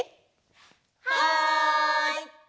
はい！